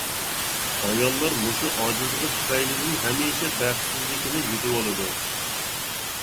ئاياللار مۇشۇ ئاجىزلىقى تۈپەيلىدىن ھەمىشە بەختسىزلىكنى يۈدۈۋالىدۇ.